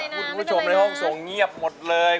คุณผู้ชมในห้องส่งเงียบหมดเลย